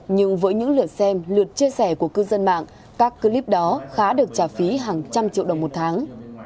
nhưng với những lượt xem lượt chia sẻ của cư dân mạng các clip đó khá được trả phí hàng trăm triệu đồng một tháng